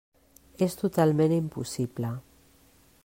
És totalment impossible.